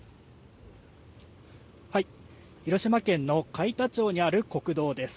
広島県の海田町にある国道です。